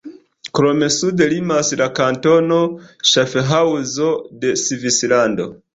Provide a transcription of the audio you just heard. Krome sude limas la kantono Ŝafhaŭzo de Svislando.